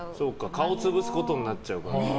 顔潰すことになっちゃうから。